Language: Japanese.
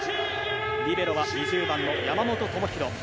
リベロは２０番の山本智大。